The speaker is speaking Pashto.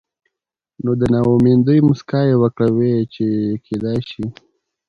نو د نا امېدۍ مسکا يې وکړه وې چې کېدے شي